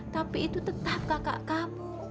tapi itu tetap kakak kamu